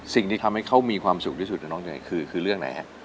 สิ่งที่ทำให้เขามีความสุขที่สุดกับน้องเนยคือเรื่องไหนฮะ